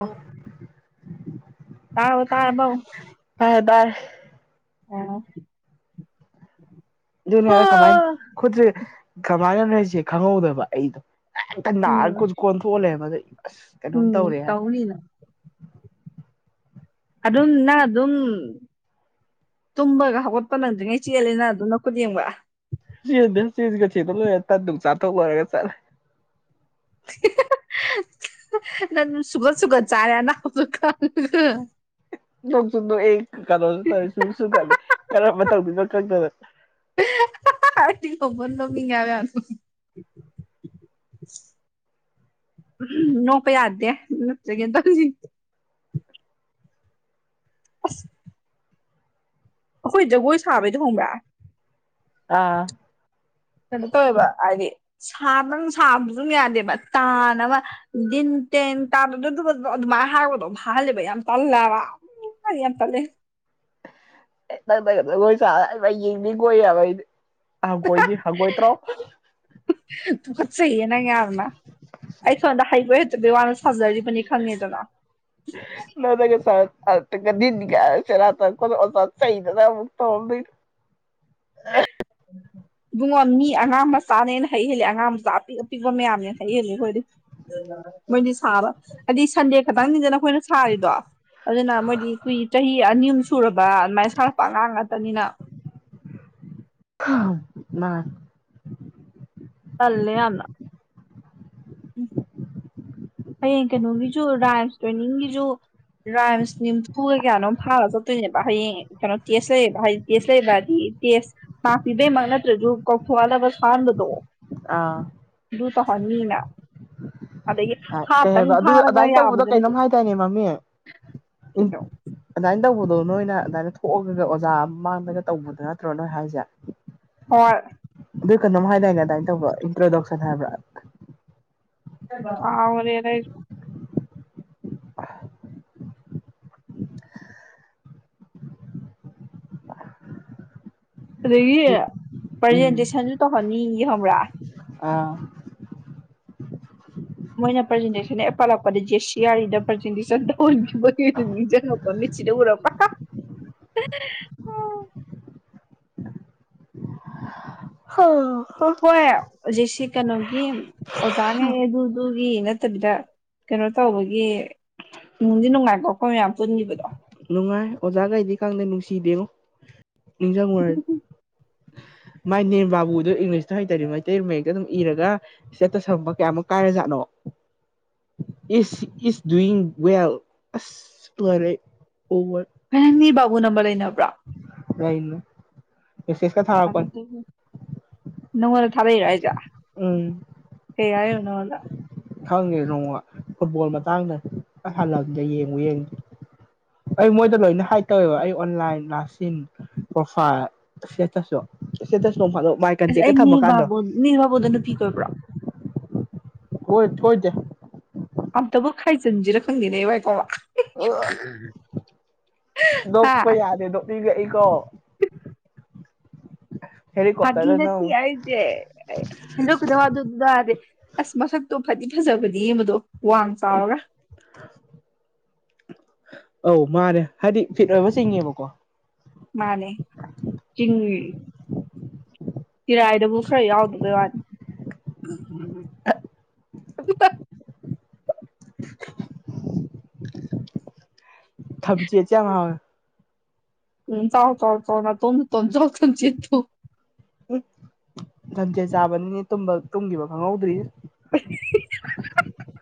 ꯑꯣ [unintelligible] [inaudible] ꯇꯥ ꯇꯥꯥꯏꯦꯕꯎ ꯐꯔ ꯚꯔ ꯑꯥ ꯑꯗꯨꯅꯦ ꯀꯃꯥꯏꯅ ꯈꯨꯠꯇꯔꯤ ꯀꯃꯥꯏꯅ ꯂꯩꯁꯦ ꯈꯪꯍꯧꯗꯕ ꯑꯩꯗꯣ ꯅꯥꯔ ꯎꯝ ꯀꯣꯟ ꯊꯣꯛꯣꯛꯍꯜꯂꯦꯕ ꯑꯁ ꯀꯩꯅꯣꯝ ꯎꯝ ꯇꯧꯔꯦ ꯍꯥꯏ ꯇꯧꯅꯤꯅ ꯑꯗꯨꯝꯅ ꯑꯗꯨꯝ ꯇꯨꯝꯕꯒ ꯍꯧꯒꯠꯄ ꯅꯪꯗ꯭ꯔꯤꯉꯩ ꯆꯦꯜꯂꯦꯅ ꯑꯗꯨꯅ ꯈꯨꯗꯤꯦꯝꯒ ꯁꯤ ꯆꯖ ꯀꯁꯤꯇꯂꯗꯨ ꯆꯇ ꯑꯣꯏꯔꯒ ꯆꯂꯦ [unintelligible] [inaudible] ꯅꯪ ꯁꯨꯒ ꯁꯨꯒ ꯆꯥꯔꯦꯅ ꯍꯥ ꯂꯣꯛ ꯌꯨꯗ ꯑꯩ ꯀꯩꯅꯣꯁꯨ ꯇꯧ ꯁꯨ ꯁꯨ ꯀꯜꯂꯤ ꯀꯔꯝꯕ ꯇꯧꯕꯤꯅꯣ ꯈꯗꯅ ꯑꯣꯄꯟꯗ ꯃꯤꯒꯕ ꯑꯗꯨ ꯅꯣꯡꯄꯖꯗꯦ ꯂꯆ ꯀꯗ ꯑꯁ [inaudible] ꯑꯩꯈꯣꯏ ꯖꯒꯣꯏ ꯁꯥꯕꯩꯗꯤ ꯍꯣꯡꯕ꯭ꯔꯥ ꯑꯥ ꯀꯩꯅꯣ ꯇꯧꯋꯦꯕ ꯍꯥꯏꯗꯤ ꯁꯥ ꯅꯪ ꯁꯥꯕꯁꯨ ꯁꯨꯝ ꯌꯥꯗꯦꯕ ꯇꯥꯟꯅꯕ ꯟ ꯇꯦꯟ ꯇ ꯑꯗꯨꯃꯥꯏꯅ ꯍꯥꯏꯔꯕꯗꯣ ꯐꯍꯜꯂꯦꯕ ꯌꯥꯝ ꯇꯜꯂꯕ ꯔꯤ ꯄꯂꯦ [unintelligible] [inaudible] ꯅꯪꯪ ꯂꯣꯏ ꯆ ꯌꯦꯡꯅꯤꯡꯒꯣꯏꯌꯦꯕꯗꯤ ꯍꯪꯒꯣꯏꯅꯤ ꯍꯪꯒꯣꯏ ꯇ꯭ꯔꯣ ꯈꯠꯆꯩꯌꯦ ꯅꯪ ꯌꯥꯝꯅ ꯑꯩ ꯁꯣꯟꯗ ꯍꯩꯕ ꯋꯥꯅ ꯍꯖꯔꯗꯤ ꯄꯅꯤ ꯈꯪꯉꯦꯗꯅ ꯅꯗꯒ ꯁꯥ ꯀꯗꯤꯅꯤ ꯀꯔ ꯀ ꯑꯣ ꯆꯗꯨ ꯇꯧꯗꯅ ꯑ ꯏꯕꯨꯡꯉꯣ ꯃꯤ ꯑꯉꯥꯡ ꯃꯆꯥꯅꯦꯅ ꯍꯩ ꯍꯦꯜꯂꯤ ꯑꯉꯥꯡ ꯃꯆꯥ ꯑꯄꯤꯛ ꯑꯄꯤꯛꯄ ꯃꯌꯥꯝꯅꯦꯅ ꯍꯩ ꯍꯦꯜꯂꯤ ꯑꯩꯈꯣꯏꯗꯤ ꯎ ꯃꯣꯏꯗꯤ ꯁꯥꯕ ꯍꯥꯏꯗꯤ ꯁꯟꯗꯦ ꯈꯇꯪꯅꯤꯗꯅ ꯑꯩꯈꯣꯏꯅ ꯁꯥꯔꯤꯗꯣ ꯑꯗꯨꯅ ꯃꯣꯏꯗꯤ ꯀꯨꯏ ꯆꯍꯤ ꯑꯅꯤ ꯑ ꯁꯨꯔꯕ ꯑꯗꯨꯃꯥꯏꯅ ꯁꯥꯔꯛꯄ ꯑꯉꯥꯡ ꯉꯥꯛꯇꯅꯤꯅ [inaudible] ꯇꯜꯂ ꯌꯥꯝꯅ ꯎ ꯍꯌꯦꯡ ꯀꯩꯅꯣꯒꯤꯁꯨ ꯗꯥꯟꯁ ꯇ꯭ꯔꯦꯅꯤꯡꯒꯤꯁꯨ ꯔꯥꯏꯝꯁ ꯅꯤꯝꯊꯨꯒꯩ ꯀꯌꯥꯅꯣꯝ ꯐꯥꯔꯒ ꯆꯠꯇꯣꯏꯅꯦꯕ ꯍꯌꯦꯡ ꯀꯩꯅꯣ ꯇꯦꯁ ꯂꯩꯌꯦꯕ ꯍꯥꯏꯗꯤ ꯇꯦꯁ ꯂꯩꯕ ꯍꯥꯏꯗꯤ ꯇꯦꯁ ꯁꯥꯄꯤꯕꯩꯃꯛ ꯅꯠꯇ꯭ꯔꯁꯨ ꯀꯧꯊꯣꯛꯍꯗꯕ ꯁꯥꯍꯟꯕꯗꯣ ꯑꯥ ꯑꯗꯨ ꯇꯧꯍꯟꯅꯤꯅ ꯑꯗꯒꯤ ꯀꯩ ꯍꯥꯞꯇꯪ ꯍꯥꯏꯕ ꯑꯗꯨ ꯐꯥꯔꯒ ꯑꯗꯨꯗꯥꯥꯏꯅ ꯇꯧꯕꯗꯣ ꯌꯥꯕꯗꯨ ꯅꯠꯇꯦ ꯀꯩꯅꯣꯝ ꯍꯥꯏꯇꯥꯅꯦ ꯃꯃꯤ ꯁꯤꯗꯣ ꯑꯗꯨ ꯇꯧꯕꯗꯣ ꯅꯣꯏꯅ ꯑꯗꯨꯃꯥꯏꯅ ꯊꯣꯛꯑꯒ ꯑꯣꯖꯥ ꯃꯥꯡꯗꯒ ꯇꯧꯕꯗꯣ ꯅꯠꯇ꯭ꯔꯣ ꯅꯣꯏ ꯍꯥꯏꯁꯦ ꯍꯣꯏ ꯑꯗꯨꯏ ꯀꯩꯅꯣꯝ ꯍꯥꯏꯗꯥꯏꯅꯦ ꯑꯗꯨꯃꯥꯏꯅ ꯇꯧꯕ ꯏꯟꯇ꯭ꯔꯣꯗꯛꯁꯟ ꯍꯥꯏꯕ꯭ꯔꯥ ꯑꯔ ꯑꯗꯒꯤ ꯎꯝ ꯄ꯭ꯔꯖꯦꯟꯇꯦꯁꯟꯁꯨ ꯇꯧꯍꯟꯅꯤꯡ ꯌꯦ ꯈꯪꯕ꯭ꯔꯥ ꯑꯥ ꯃꯣꯏꯅ ꯄ꯭ꯔꯖꯦꯟꯇꯦꯁꯟ ꯄꯠꯂꯛꯄꯗꯦ ꯁꯤꯌꯥꯔꯤꯗ ꯄ꯭ꯔꯖꯦꯟꯇꯦꯁꯟ ꯇꯧꯍꯟ ꯔꯣ ꯄ ꯑꯣ ꯍꯣꯏ ꯍꯧꯖꯤꯛꯁꯤ ꯀꯩꯅꯣꯒꯤ ꯑꯣꯖꯥꯉꯩ ꯑꯗꯨꯗꯨꯒꯤ ꯅꯠꯇꯕꯤꯗ ꯀꯩꯅꯣ ꯇꯧꯕꯒꯤ ꯏꯃꯨꯡꯗꯤ ꯅꯨꯡꯉꯥꯏꯀꯣꯛꯈꯣꯏ ꯃꯌꯥꯝ ꯄꯨꯟꯈꯤꯕꯗꯣ ꯅꯨꯡꯉꯥꯏ ꯑꯣꯖꯥꯒꯩꯗꯤ ꯈꯪꯗꯦ ꯅꯨꯡꯁꯤꯗꯦꯉꯣ ꯅꯤꯡꯁꯤꯡꯉꯨꯔ ꯎꯝ ꯃꯥꯏ ꯅꯦꯝ ꯕꯥꯕꯨꯗꯣ ꯏꯪꯂꯤꯁꯇ ꯍꯩꯇꯔꯦ ꯃꯩꯇꯩ ꯃꯛꯇ ꯑꯗꯨꯝ ꯏꯔꯒ ꯏꯁꯇꯦꯠꯠꯇ ꯁꯄ ꯀꯌꯥꯨꯛ ꯀꯥꯏꯔꯖꯥꯠꯅꯣ ꯏ ꯏ ꯗꯨꯋꯤꯡ ꯋꯦꯜ ꯑꯁ ꯇꯣꯔꯦ ꯑꯣꯏ ꯄ ꯅꯝꯕ ꯂꯩꯩꯅ ꯂꯩꯃꯅꯦ ꯃꯦꯁꯦꯖꯀꯥ ꯊꯔꯛꯄꯅꯦ ꯅꯪꯉꯣꯟꯗ ꯊꯥꯗꯩꯔꯣ ꯑꯩꯖꯥ ꯎꯝ ꯅ ꯋꯥꯂ ꯈꯪꯉꯦ ꯅꯣꯡꯃ ꯐꯨꯠꯕꯣꯜ ꯃꯇꯥꯡꯗ ꯍꯜꯂꯗ ꯌꯦꯡꯉꯨ ꯌꯦꯡꯗꯦ ꯑꯩ ꯃꯣꯏꯗ ꯂꯣꯏꯅ ꯍꯥꯏ ꯇꯧꯋꯦꯕ ꯑꯩ ꯑꯣꯟꯂꯥꯏꯟ ꯂꯥꯛꯁꯤꯟ ꯄ꯭ꯔꯣꯐꯥꯏꯜ ꯁꯤꯇꯁꯨꯗꯣ ꯁꯤꯇꯁꯨ ꯅꯣꯡꯃꯗꯣ ꯃꯥꯏ ꯑꯁ ꯑꯩ ꯀꯟꯇꯦꯛꯛꯇ ꯅꯤꯔ ꯊꯝꯃꯀꯥꯟꯗꯣ ꯕꯥꯕꯨ ꯅꯤꯔ ꯕꯥꯕꯨꯗꯣ ꯅꯨꯄꯤ ꯀꯣꯏꯕ꯭ꯔꯣ ꯍꯣꯏ ꯊꯣꯏꯗ ꯑꯝꯇꯕꯨ ꯈꯥꯏꯖꯟꯖꯤꯔ ꯈꯪꯗꯤꯅꯦ ꯏꯀꯣꯃ ꯑ ꯂ ꯍꯥ ꯀꯣꯏ ꯌꯥꯗꯦꯗ ꯒ ꯏꯀꯣ ꯐ ꯅ ꯑꯖꯦ ꯍꯗꯗꯋꯥ ꯑꯗꯨꯗꯔꯦ ꯑꯁ ꯃꯁꯛꯇꯣ ꯐꯗꯤ ꯐꯖꯕꯗꯤ ꯃꯗꯣ ꯋꯥꯡ ꯆꯥꯎꯔꯒ ꯑꯧ ꯃꯥꯅꯦ ꯍꯥꯏꯗꯤ ꯐꯤꯠ ꯑꯣꯏꯕ ꯆꯤꯡꯉꯦꯕꯀꯣ ꯃꯥꯅꯦ ꯆ ꯀꯤꯔꯥꯏꯗꯕꯨꯨꯛ ꯈꯔ ꯌꯥꯎꯗꯕꯩ ꯋꯥꯅꯤ [unintelligible] [inaudible] ꯊꯝꯖꯤ ꯆꯦ ꯌꯥꯝ ꯍ ꯎꯝ ꯆꯥꯎꯥꯎ ꯇꯥꯎ ꯇꯥꯎ ꯅ ꯇꯣ ꯇꯣ ꯇ ꯆꯤꯠꯇꯨ ꯎ ꯁꯟꯖꯦ ꯆꯥꯕꯅꯤꯅꯦ ꯇꯨꯝꯈꯤꯕ ꯈꯪꯍꯧꯗ꯭ꯔꯤ [unintelligible] [inaudible]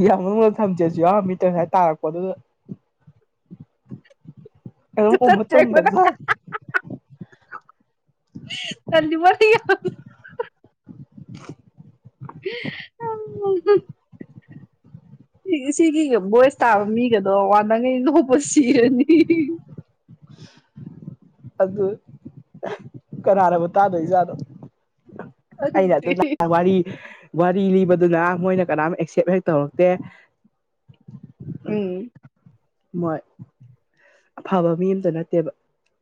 ꯏ ꯃꯅꯨꯡꯗ ꯊꯝꯖꯦꯁꯨ ꯌꯥꯎꯔꯝꯃꯤꯇ ꯉꯥꯏ ꯇꯥꯔꯛꯄ ꯑꯗꯨꯗ ꯑ ꯑꯣꯃ ꯇꯕꯗꯗ ꯀ ꯃꯥ [unintelligible] [inaudible] ꯑ [unintelligible] [inaudible] ꯁꯤꯒꯤꯒ ꯚꯣꯏꯁ ꯇꯥꯕ ꯃꯤꯒꯗꯣ ꯋꯥ ꯅꯉꯩ ꯅꯣꯛꯧꯕ ꯁꯤꯔꯅꯤ [unintelligible] [inaudible] ꯑꯗꯨ ꯀꯅꯥꯔꯕ ꯇꯥꯗꯣꯏ ꯖꯥꯗꯣ ꯑꯩꯅ ꯈꯪꯗꯦ ꯑꯗꯨ ꯋꯥꯔꯤ ꯋꯥꯔꯤ ꯂꯤꯕꯗꯨꯅ ꯃꯣꯏꯅ ꯀꯅꯥꯝ ꯑꯦꯛꯁꯦꯞ ꯍꯦꯛ ꯇꯧꯔꯛꯇꯦ ꯃꯤ ꯍꯣꯏ ꯑꯐꯕ ꯃꯤ ꯑꯇ ꯅꯠꯇꯦꯕ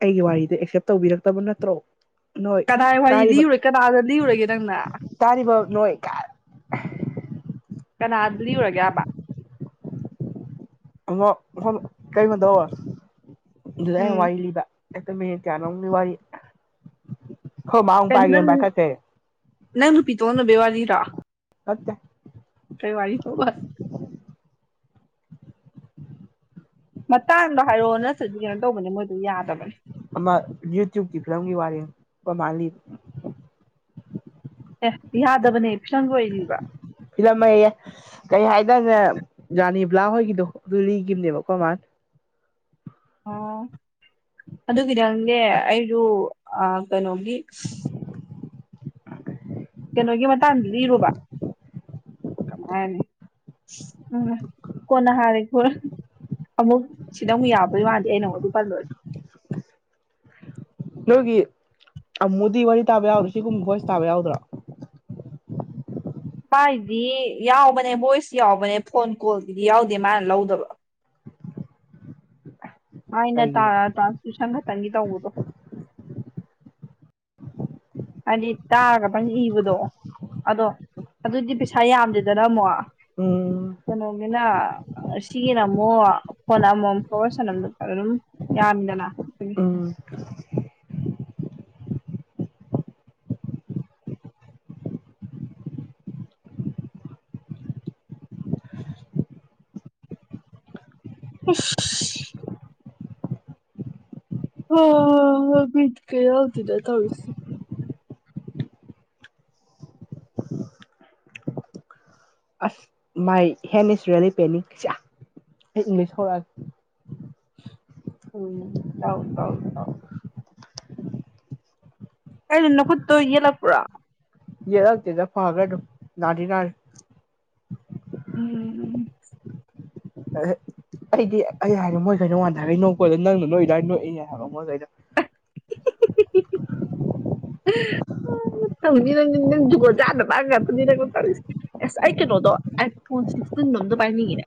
ꯑꯩꯒꯤ ꯋꯥꯔꯤꯗꯣ ꯑꯦꯛꯁꯦꯞ ꯇꯧꯕꯤꯔꯛꯇꯕ ꯅꯠꯇ꯭ꯔꯣ ꯅꯣꯏ ꯀꯗꯥꯏ ꯋꯥꯔꯤ ꯇꯥꯔꯤꯕ ꯂꯤꯔꯨꯔꯦ ꯀꯅꯥꯗ ꯂꯤꯔꯨꯔꯒꯦ ꯅꯪꯅ ꯇꯥꯔꯤꯕ ꯅꯣꯏ ꯀꯥ ꯀꯅꯥꯗ ꯂꯤ ꯎꯔꯒꯦꯕ ꯀꯩꯃꯣ ꯇꯧ ꯑꯗꯨꯗ ꯑ ꯎꯝ ꯋꯥꯔꯤ ꯂꯤꯕ ꯑꯩꯇ ꯃ ꯀꯌꯥꯅꯎꯒꯤ ꯋꯥꯔꯤ ꯋꯥꯔꯤ ꯑꯩꯈꯣꯏ ꯃꯥ ꯑꯃꯨꯛ ꯀ ꯅ ꯄꯥꯏꯒꯦ ꯄꯥꯏꯈꯠꯈ꯭ꯔꯦ ꯅꯪ ꯅꯨꯄꯤꯤ ꯇꯣꯅ ꯦꯋꯥꯗꯤ ꯔ ꯀꯠꯇꯦ ꯀꯩ ꯋꯥꯔꯤ ꯋꯥꯔꯤ ꯇꯕꯁ ꯃꯇꯥꯡꯗꯣ ꯍꯥꯏꯔꯛꯑꯣ ꯅꯠꯇꯗꯤ ꯀꯩꯅꯣ ꯇꯧꯕꯅꯦ ꯃꯣꯏꯗꯣ ꯌꯥꯗꯕꯅꯦ ꯌꯨꯇꯨꯕꯀꯤ ꯐꯤꯂꯝꯒꯤ ꯋꯥꯔꯤ ꯃꯥ ꯑꯦ ꯌꯥꯗꯕꯅꯦ ꯐꯤꯁꯪ ꯂ ꯑꯣꯏꯔꯤꯕ꯭ꯔꯥ ꯐꯤꯂꯝ ꯍꯌꯦ ꯀꯩ ꯍꯥꯏꯗꯪꯅꯦ ꯔꯥꯅꯤ ꯭ꯂꯥ ꯍꯣꯏꯒꯤꯗꯣ ꯑꯗꯨ ꯂꯤꯈꯤꯕꯅꯦꯕꯀꯣ ꯃꯥꯅ [unintelligible] [inaudible] ꯑꯣ ꯑꯗꯨꯒꯤꯗꯪꯅꯦ ꯑꯩꯁꯨ ꯀꯩꯅꯣꯒꯤ ꯀꯩꯅꯣꯒꯤ ꯃꯇꯥꯡꯗꯨ ꯏꯔꯨꯕ ꯀꯃꯥꯏꯅꯤ ꯎ ꯀꯅ ꯍꯥꯏꯔꯦ ꯑꯃꯨꯛ ꯁꯤꯗ ꯑꯃꯨꯛ ꯌꯥꯕꯩ ꯃꯗꯦ ꯑꯩꯅ ꯑꯃꯨꯛ ꯑꯗꯨ ꯀꯜꯂꯣꯏꯔ ꯅꯣꯏꯒꯤ ꯑꯃꯨꯗꯤ ꯋꯥꯔꯤ ꯇꯥꯕ ꯌꯥꯎꯗ꯭ꯔꯥ ꯁꯤꯒꯨꯝꯕ ꯚꯣꯏꯁ ꯇꯥꯕ ꯌꯥꯎꯗ꯭ꯔꯥ ꯃꯥꯥꯏꯗꯤ ꯌꯥꯎꯕꯅꯦ ꯚꯣꯏꯁ ꯌꯥꯎꯕꯅꯦ ꯐꯣꯟ ꯀꯣꯜꯗꯨꯗꯤ ꯌꯥꯎꯗꯦ ꯃꯥꯅ ꯂꯧꯗꯕ [unintelligible] [inaudible] ꯍꯥꯏꯅ ꯇꯥ ꯀꯩꯒꯤꯅꯣ ꯇ꯭ꯔꯥꯟꯁꯇꯁꯟ ꯈꯛꯇꯪꯒꯤ ꯇꯧꯕꯗꯣ ꯍꯥꯏꯗꯤ ꯇꯥꯔꯒ ꯄꯪ ꯏꯕꯗꯣ ꯑꯗꯣ ꯑꯗꯨꯗꯤ ꯄꯩꯁꯥ ꯌꯥꯝꯗꯦꯗꯅ ꯑꯃꯨꯛ ꯎꯝ ꯀꯩꯅꯣꯃꯤꯅꯥ ꯆꯤꯅ ꯑꯃꯨꯣ ꯄꯣꯟꯅ ꯑꯃꯣꯝ ꯐꯣꯁꯟ ꯑꯃꯝꯗ ꯑꯗꯨꯝ ꯌꯥꯅꯤꯗꯅ ꯎꯝ [unintelligible] [inaudible] ꯍ ꯃꯤꯠ ꯀꯦ ꯌꯥꯎꯗꯗ ꯊꯧꯔꯤꯁꯤ ꯑꯁ ꯃꯥꯏ ꯍꯦꯟ ꯏꯁ ꯔꯤꯌꯦꯂꯤ ꯄꯦꯟꯅꯤꯡꯁ ꯑꯩ ꯏꯪꯂꯤꯁ ꯍꯧꯔꯛꯑꯒꯦ ꯎꯝ ꯇꯥꯎ ꯇꯥꯎ ꯇꯥꯎ ꯀ ꯅꯈꯨꯠ ꯇ ꯏꯂꯥꯛꯄꯔꯥ ꯌꯦ ꯂ ꯇꯗ ꯐꯥꯒꯔ ꯅꯔꯤꯅ ꯎꯝ ꯎꯝ [unintelligible] ꯑꯩꯗꯤ ꯑꯩ ꯍꯥꯏꯕ ꯃꯣꯏꯈꯩꯅ ꯋꯥꯟꯊꯈꯩ ꯅꯣꯛꯄꯗꯣ ꯅꯪꯅ ꯅꯣꯛꯏꯗ꯭ꯋꯥꯏꯅ ꯅꯣꯛꯏꯅꯦ ꯍꯥꯏꯕ ꯃꯣꯏꯈꯩꯗꯣ ꯇꯧꯅꯤ ꯅꯪꯗꯤ ꯅꯪ ꯨꯖꯨꯒꯣꯠ ꯆꯥꯗꯕ ꯉꯥꯛꯇꯅꯤ ꯅꯪꯅ ꯇꯧꯔꯤꯁꯦ ꯑꯁ ꯑꯩ ꯀꯩꯅꯣꯗꯣ ꯑꯥꯏꯐꯣꯟ ꯁꯤꯛꯁꯇꯤꯟ ꯇꯤꯟꯗꯣ ꯑꯝ ꯄꯥꯏꯅꯤꯡꯉꯤꯅꯦ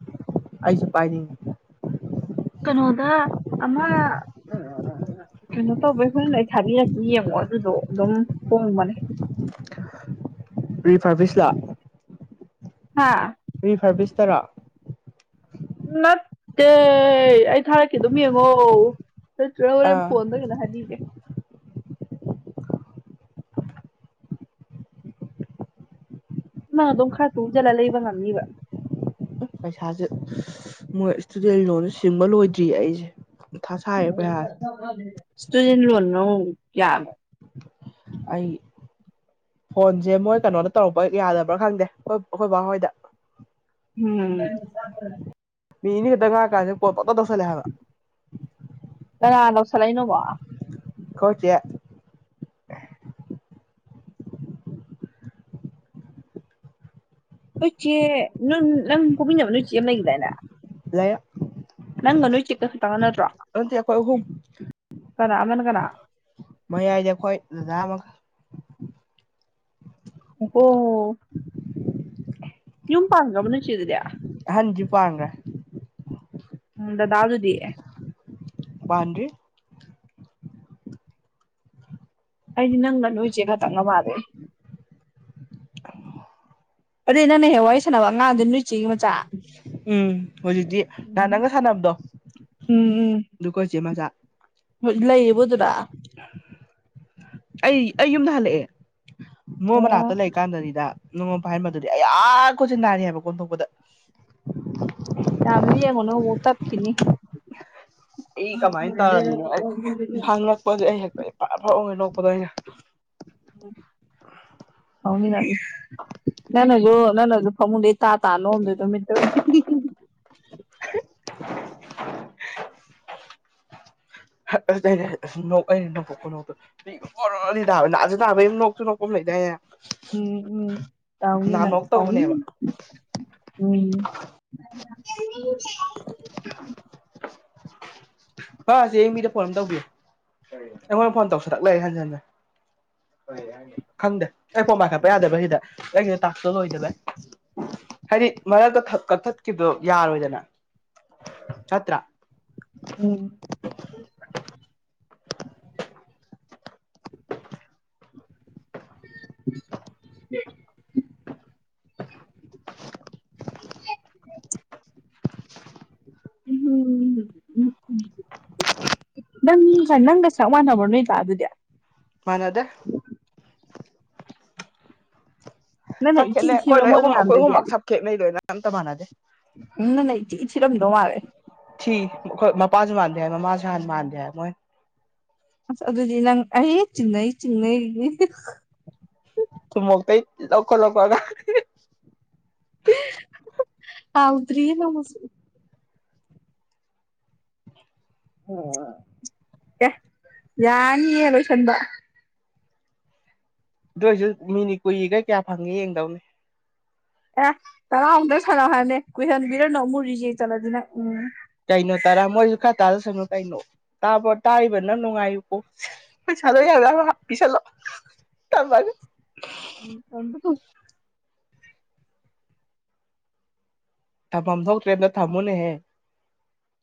ꯑꯩꯁꯨ ꯄꯥꯏꯅꯤꯡꯏ ꯀꯩꯅꯣꯗ ꯑꯃ ꯀꯩꯅꯣ ꯇꯧꯕꯩ ꯍꯨꯔꯦꯟ ꯂꯥꯏꯞ ꯊꯥꯕꯤꯔꯛꯀꯦ ꯌꯦꯡꯉꯣ ꯑꯗꯨꯗꯣ ꯑꯗꯨꯝ ꯍꯣꯡꯕꯅꯦ ꯔꯤꯐ꯭ꯔꯕꯤꯁꯂ ꯍꯥꯥ ꯅꯠꯇꯦ ꯑꯩ ꯊꯥꯔꯛꯀꯦ ꯑꯗꯨꯝ ꯌꯦꯡꯉꯣ ꯅꯠꯇ꯭ꯔ ꯍꯣꯔꯦꯟ ꯑꯥ ꯐꯣꯟꯗꯔ ꯀꯩꯅꯣ ꯍꯥꯏꯕꯤꯒꯦ ꯅꯪ ꯑꯗꯨꯝ ꯈꯔ ꯇꯨꯡꯖꯜꯂ ꯂꯩꯕ ꯉꯝꯅꯤꯕ ꯄꯩꯁꯥꯁꯦ ꯃꯣꯏ ꯏꯁꯇꯨꯗꯦꯟ ꯂꯣꯟꯗꯣ ꯁꯤꯡꯕ ꯂꯣꯏꯗ꯭ꯔꯤꯌꯦ ꯑꯩꯁꯦ ꯃꯊꯥ ꯁꯥꯏꯌꯦ ꯄꯩꯁꯥ ꯁ꯭ꯇꯨꯗꯦꯟ ꯂꯣꯟ ꯂꯧ ꯌꯥꯕ꯭ꯔꯣ ꯑꯩ ꯐꯣꯟꯖꯦ ꯃꯣꯏ ꯀꯩꯅꯣꯅ ꯇꯧꯔꯛꯄ ꯌꯥꯗꯕ꯭ꯔꯥ ꯈꯪꯗꯦ ꯑꯩꯈꯣꯏ ꯕꯥ ꯍꯣꯏꯗ ꯎꯝ ꯃꯤꯅꯤ ꯈꯛꯇꯪ ꯉꯥꯏꯔ ꯀꯥꯟꯁꯤꯗ ꯀꯣꯜ ꯄꯪꯇꯧ ꯇꯧꯁꯜꯂꯛꯑꯦ ꯍꯥꯏꯕ ꯀꯅꯥꯅ ꯇꯧꯁꯜꯂꯛꯏꯅꯣꯕ ꯈꯣꯏ ꯆꯦ ꯎꯆꯦ ꯅꯪ ꯅꯪ ꯄꯣꯛꯃꯤꯟꯅꯕ ꯅꯣꯏ ꯆꯦ ꯑꯃ ꯂꯩꯒꯤꯗꯥꯏꯅꯦ ꯂꯩ ꯅꯪꯒ ꯅꯣꯏ ꯆꯦꯒ ꯈꯠꯇ ꯅꯠꯇ꯭ꯔꯣ ꯑꯟꯇꯦ ꯑꯈꯣꯏ ꯑꯍꯨꯝ ꯀꯅꯥ ꯑꯃꯅ ꯀꯅꯥ ꯃꯌꯥꯏꯗ ꯑꯈꯣꯏ ꯗꯗꯥ ꯑꯃꯒ ꯑꯣꯍꯣ ꯌꯨꯝ ꯄꯥꯟꯒ꯭ꯔꯕꯣ ꯅꯣꯏ ꯆꯦꯗꯨꯗꯤ ꯑꯝꯗꯤ ꯄꯥꯟꯒ꯭ꯔꯦ ꯎꯝ ꯗꯗꯥꯗꯨꯗꯤ ꯄꯥꯟꯗ꯭ꯔꯤ ꯑꯩꯗꯤ ꯅꯪꯒ ꯅꯣꯏ ꯆꯦ ꯈꯇꯪꯒ ꯃꯥꯜꯂꯦ ꯑꯗꯨꯗꯤ ꯅꯪꯅ ꯍꯦꯛ ꯋꯥꯔꯤ ꯁꯥꯟꯅꯕ ꯑꯉꯥꯡꯗꯨ ꯅꯣꯏ ꯆꯦꯒꯤ ꯃꯆꯥ ꯎꯝ ꯍꯧꯖꯤꯛꯇꯤ ꯅꯍꯥꯟ ꯅꯪꯒ ꯁꯥꯟꯅꯕꯗꯣ ꯑꯗꯨ ꯈꯣꯏ ꯆꯦ ꯃꯆꯥ ꯂꯠ ꯂꯩꯔꯤꯕꯣ ꯑꯗꯨꯗ ꯑꯩ ꯑꯩ ꯌꯨꯝꯗ ꯍꯜꯂꯛꯑꯦ ꯕꯣ ꯑꯣ ꯃꯅꯥꯛꯇ ꯂꯩꯀꯥꯟꯗꯅꯤꯗ ꯅꯉꯣꯟ ꯄꯥꯏꯍꯟꯕꯗꯨꯗꯤ ꯑꯩꯑꯥꯥ ꯈꯨꯠꯁꯦ ꯅꯥꯔꯤ ꯍꯥꯏꯕ ꯀꯣꯟꯊꯣꯛꯄꯗ ꯌꯥꯝ ꯂꯦꯡꯉꯨꯅꯣ ꯑꯃꯨꯛ ꯇꯠꯈꯤꯅꯤ ꯑꯩ ꯀꯃꯥꯏꯅ ꯇꯥꯔꯝꯃꯤꯅꯣ ꯑꯩ ꯏꯁꯥ ꯉꯛꯄꯁꯦ ꯑꯩ ꯍꯦꯛꯇ ꯐꯔ ꯐꯔ ꯑꯣꯟꯒꯩ ꯅꯣꯛꯄꯗꯣ ꯑꯩ ꯐꯅꯤꯗ ꯅꯪꯅꯖꯨ ꯅꯪꯅꯖꯨ ꯐꯃꯨꯡꯗꯩ ꯇꯥ ꯇꯥ ꯅꯣꯛꯑꯝꯗꯣꯏꯗꯣ ꯃꯤꯠꯇ ꯎꯏ [unintelligible] ꯑꯁ ꯅꯣꯛ ꯑꯩꯅ ꯅꯣꯛꯄ ꯈꯨꯅꯣꯛꯇꯣ ꯄꯤꯒ ꯑꯣꯔꯣꯔꯣꯅꯤ ꯇꯥꯕ ꯅꯥꯁꯨ ꯅꯥꯕꯩ ꯑꯝ ꯅꯣꯛꯁꯨ ꯅꯣꯛꯄ ꯑꯝ ꯂꯩꯗꯥꯏꯅꯦ ꯎꯝ ꯎꯝ ꯇꯧꯅꯤ ꯅꯪ ꯅꯍꯥꯟꯃꯨꯛ ꯇꯧꯅꯤ ꯇꯧꯕꯅꯦꯕ ꯎꯝ [unintelligible] ꯕꯥ ꯆꯦꯡ ꯑꯌꯤꯡꯕꯤꯗ ꯐꯣꯟ ꯑꯝ ꯇꯧꯕꯤꯌꯨ ꯑꯩꯉꯣꯟꯗ ꯐꯣꯟ ꯇꯧꯁꯜꯂꯛ ꯂꯩꯔꯦ ꯍꯟꯖꯟ ꯍꯟꯖꯟ ꯈꯪꯗꯦ ꯑꯩ ꯐꯣꯟ ꯄꯥꯏꯈꯠꯄ ꯌꯥꯗꯦꯕ ꯁꯤꯗ ꯑꯩꯒꯤ ꯇꯥꯛꯁꯇꯣ ꯂꯣꯏꯗꯕꯩ ꯍꯥꯏꯗꯤ ꯃꯔꯛꯇ ꯈꯛ ꯀꯛꯊꯠꯈꯤꯕꯗꯣ ꯌꯥꯔꯣꯏꯗꯅ ꯆꯠꯇ꯭ꯔꯦ ꯎꯝ [unintelligible] [unintelligible] [inaudible] ꯎꯝ ꯎ [unintelligible] [inaudible] ꯅꯪ ꯅꯪꯒ ꯆꯞ ꯃꯥꯟꯅꯕ ꯅꯣꯏꯗꯥ ꯑꯗꯨꯗꯤ ꯃꯥꯟꯅꯗꯦ ꯅꯪꯅ ꯏꯊꯤ ꯁꯛꯈꯦꯠꯅꯩ ꯑꯩꯈꯣꯏ ꯊꯤꯕ꯭ꯔꯥ ꯂꯣꯏ ꯃꯣꯏ ꯑꯍꯨꯝ ꯑꯩꯈꯣꯏ ꯃꯌꯥꯝꯗꯒꯤ ꯑꯍꯨꯝꯃꯛ ꯁꯞꯈꯦꯠꯅꯩ ꯂꯣꯏꯅ ꯑꯝꯇ ꯃꯥꯟꯅꯗꯦ ꯅꯪꯅ ꯏꯊꯤꯊꯤꯔꯝꯗꯧ ꯃꯥꯂꯦ ꯊꯤ ꯃꯄꯥꯁꯨ ꯃꯥꯥꯟꯗ ꯍꯥꯏ ꯃꯃꯥꯁꯨꯍꯅ ꯃꯥꯥꯟꯗ ꯍꯥꯏ ꯃꯣꯏ ꯑꯁ ꯑꯗꯨꯗꯤ ꯅꯪ ꯑꯩ ꯆꯤꯡꯅꯩ ꯆꯤꯡꯅꯩꯒꯤ ꯨꯊꯨꯃꯣꯛꯇꯩ ꯂꯧꯈꯠꯂꯛꯄ ꯑꯉꯥꯡꯅꯤ ꯍꯥꯎꯗ꯭ꯔꯤꯑꯅꯃꯁꯨ ꯌꯥꯅꯤꯌꯦ ꯂꯣꯏ ꯁꯟꯕ ꯑꯗꯨ ꯑꯣꯏꯔꯁꯨ ꯃꯤꯅꯤ ꯀꯨꯏꯒꯩ ꯀꯌꯥ ꯐꯪꯏꯤ ꯌꯦꯡꯗꯧꯅꯤ ꯑꯦ ꯇꯔꯥꯎꯡꯗ ꯁꯥꯟꯅ ꯍꯥꯏꯅꯦ ꯀꯨꯏꯍꯟꯕꯤꯔꯅꯨ ꯑꯃꯨꯛ ꯔꯤꯖꯩ ꯆꯠꯂꯗꯤꯅ ꯎꯝ ꯀꯩꯅꯣ ꯇꯔꯥ ꯃꯣꯏꯁꯨ ꯈꯔ ꯇꯥꯗꯁꯅꯨ ꯀꯩꯅꯣ ꯇꯥꯕ ꯇꯥꯔꯤꯕꯅꯪ ꯅꯨꯡꯉꯥꯏꯌꯨꯀꯣ ꯍꯣꯏ ꯆꯂ ꯌꯥ ꯍꯥꯞꯄꯤꯁꯂꯣ ꯇꯕꯥꯒ ꯎꯝ ꯀꯀ ꯊꯝꯐꯝ ꯊꯣꯛꯇ꯭ꯔꯦ ꯑꯝꯇ ꯊꯝꯃꯨꯅꯦꯍꯦ